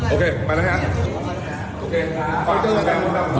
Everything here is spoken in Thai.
โอเคมันอะไรนะ